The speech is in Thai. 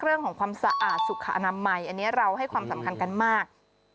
เรื่องของความสะอาดสุขอนามัยอันนี้เราให้ความสำคัญกันมาก